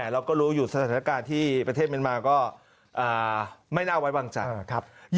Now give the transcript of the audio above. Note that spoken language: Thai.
เราก็รู้อยู่สถานการณ์ที่ประเทศเมียนมาก็ไม่น่าไว้วางใจ